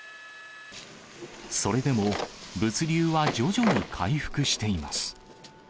それでも、物流は徐々に回復しています。